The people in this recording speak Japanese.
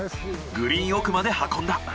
グリーン奥まで運んだ。